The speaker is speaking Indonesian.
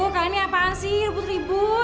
kali ini apaan sih ribut ribut